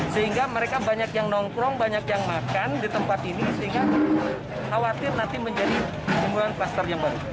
sehingga mereka banyak yang nongkrong banyak yang makan di tempat ini sehingga khawatir nanti menjadi kluster yang baru